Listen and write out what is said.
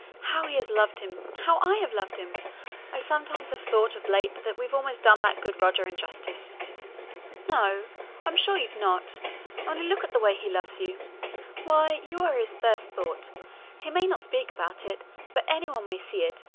How he has loved him! How I have loved him! I sometimes have thought of late that we've almost done that good Roger injustice." "No! I'm sure you've not: only look at the way he loves you. Why, you are his first thought: he may not speak about it, but any one may see it.